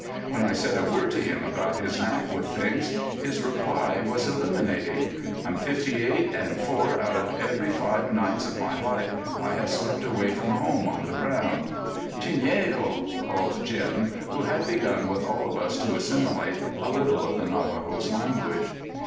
When I said a word to him about his knack with things, his reply was illuminating: "I'm fifty eight, and four out of every five nights of my life I have slept away from home on the ground." "Chineago!" called Jim, who had begun with all of us to assimilate a little of the Navajo's language.